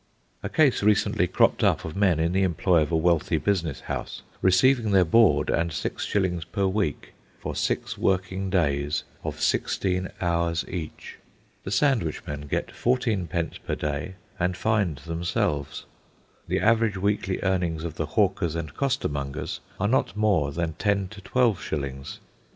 A case recently cropped up of men, in the employ of a wealthy business house, receiving their board and six shillings per week for six working days of sixteen hours each. The sandwich men get fourteenpence per day and find themselves. The average weekly earnings of the hawkers and costermongers are not more than ten to twelve shillings.